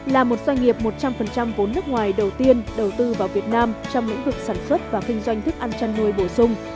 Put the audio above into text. là một doanh nghiệp một trăm linh vốn nước ngoài đầu tiên đầu tư vào việt nam trong lĩnh vực sản xuất và kinh doanh thức ăn chăn nuôi bổ sung